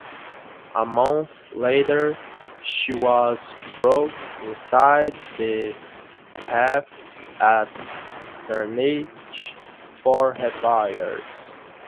A month later, she was brought inside the reef at Ternate for repairs.